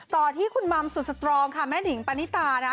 ตอนที่คุณหม่ำสุดซตรองค่ะแม่หนิงปรานิตาน่ะ